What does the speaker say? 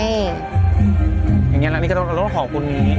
อย่างเงี้ยแล้วนี่ก็ต้องเราขอคุณนี้